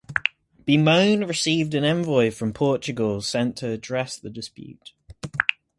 Bemoim received an envoy from Portugal sent to address the dispute.